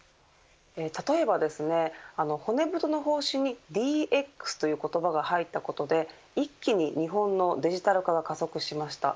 例えばですね、骨太の方針にＤＸという言葉が入ったことで一気に日本のデジタル化が加速しました。